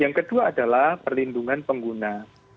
yang kedua adalah perlindungan pengguna